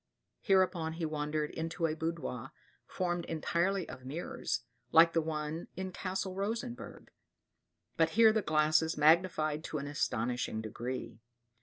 Hereupon he wandered into a boudoir formed entirely of mirrors, like the one in Castle Rosenburg; but here the glasses magnified to an astonishing degree.